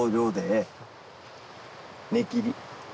根切り。